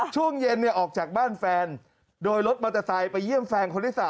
ช่วงเย็นออกจากบ้านแฟนโดยรถมอเตอร์ไซค์ไปเยี่ยมแฟนคนที่๓